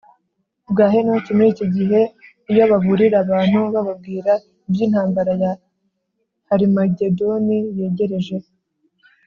bwa Henoki muri iki gihe iyo baburira abantu bababwira iby intambara ya Harimagedoni yegereje